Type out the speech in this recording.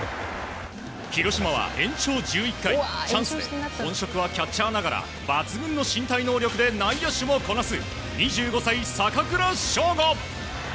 広島は延長１１回、チャンスで本職はキャッチャーながら抜群の身体能力で内野手もこなす２５歳、坂倉将吾。